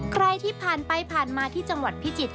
ใครที่ผ่านไปผ่านมาที่จังหวัดพิจิตร